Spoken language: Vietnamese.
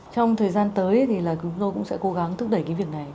trong thời gian tới thì tôi cũng sẽ cố gắng thúc đẩy cái việc này